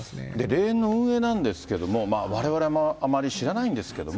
霊園の運営なんですけども、われわれもあまり知らないんですけれども。